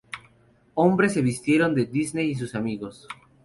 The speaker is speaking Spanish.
Hombres se vistieron de Disney y sus amigos.